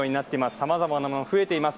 さまざまなものが増えています。